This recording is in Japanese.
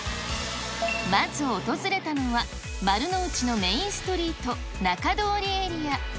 まず訪れたのは、丸の内のメインストリート、仲通りエリア。